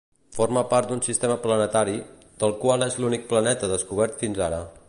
Forma part d'un sistema planetari, del qual és l'únic planeta descobert fins ara.